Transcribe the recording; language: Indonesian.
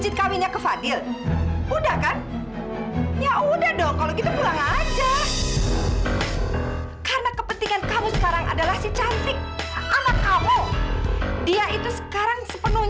tinggalkan semua beban pikiran kamu